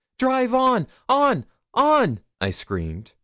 'Drive on on on!' I screamed.